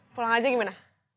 pulang aja kemana